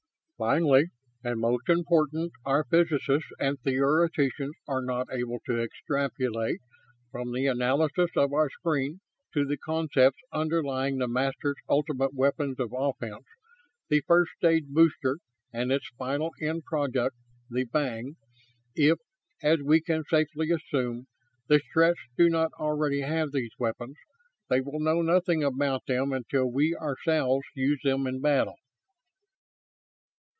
"Finally, and most important, our physicists and theoreticians are not able to extrapolate, from the analysis of our screen, to the concepts underlying the Masters' ultimate weapons of offense, the first stage booster and its final end product, the Vang. If, as we can safely assume, the Stretts do not already have those weapons, they will know nothing about them until we ourselves use them in battle.